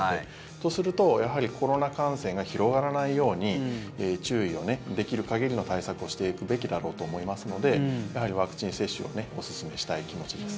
とすると、やはりコロナ感染が広がらないように注意をできる限りの対策をしていくべきだろうと思いますのでやはりワクチン接種をおすすめしたい気持ちです。